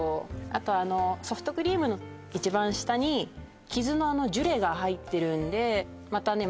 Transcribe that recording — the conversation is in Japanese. あとソフトクリームの一番下に木酢のジュレが入ってるんでまたね